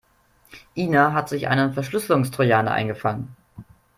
Ina hat sich einen Verschlüsselungstrojaner eingefangen.